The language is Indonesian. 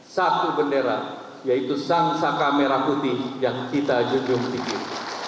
satu bendera yaitu sang saka merah putih yang kita junjung tinggi